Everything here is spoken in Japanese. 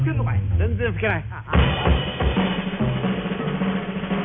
全然吹けない。